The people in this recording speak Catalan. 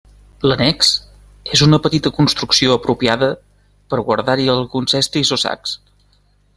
L'annex és una petita construcció apropiada per a guardar-hi alguns estris o sacs.